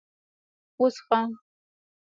_وڅښه!